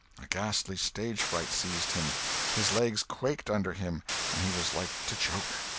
A ghastly stage fright seized him, his legs quaked under him and he was like to choke.